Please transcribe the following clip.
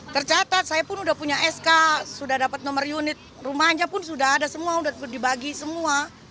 tercatat saya pun sudah punya sk sudah dapat nomor unit rumahnya pun sudah ada semua sudah dibagi semua